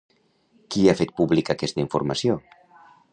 Qui ha fet pública aquesta informació?